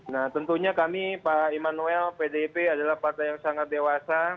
nah tentunya kami pak immanuel pdip adalah partai yang sangat dewasa